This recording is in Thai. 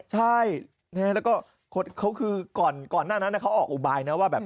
ใช่แล้วก็เขากออกอุบายหน้าว่า